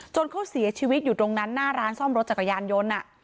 เขาเสียชีวิตอยู่ตรงนั้นหน้าร้านซ่อมรถจักรยานยนต์